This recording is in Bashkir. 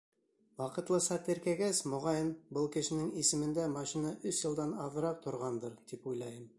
Ваҡытлыса теркәгәс, моғайын, был кешенең исемендә машина өс йылдан аҙыраҡ торғандыр, тип уйлайым.